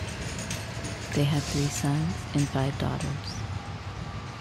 They had three sons and five daughters.